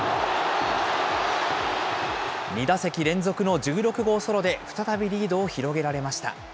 ２打席連続の１６号ソロで、再びリードを広げられました。